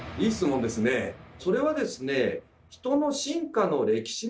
それはですね